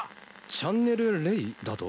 チャンネル０だと？